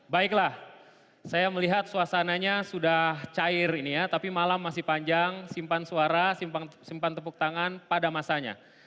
baiklah saya melihat suasananya sudah cair ini ya tapi malam masih panjang simpan suara simpan tepuk tangan pada masanya